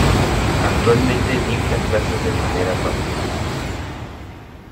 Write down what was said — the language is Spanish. Actualmente dicta clases de manera particular.